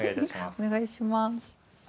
お願いします。